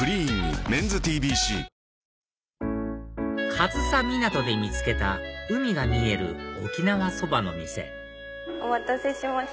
上総湊で見つけた海が見える沖縄そばの店お待たせしまし